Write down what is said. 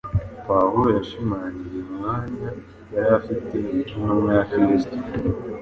Pawulo yashimangiye umwanya yari afite nk’intumwa ya Kristo.